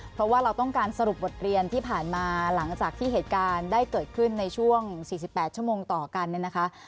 เพราะว่าเราต้องการสรุปบทเรียนที่ผ่านมาหลังจากที่เหตุการณ์ได้เกิดขึ้นในช่วง๔๘ชั่วโมงต่อกันเนี่ยนะคะ